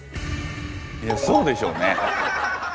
そうでしょうね。